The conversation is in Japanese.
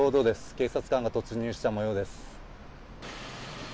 警察官が突入したもようです。